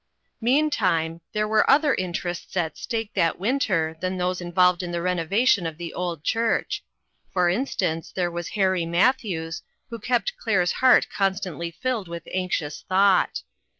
MEANTIME there were other interests at stake that winter than those in volved in the renovation of the old church. For instance, there was Harry Matthews, who kept Claire's heart constantly filled with anxious thought.